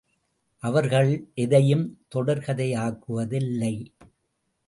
அவர்கள் எதையும் தொடர்கதையாக்குவதில்லை.